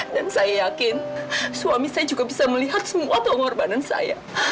dan saya yakin suami saya juga bisa melihat semua pengorbanan saya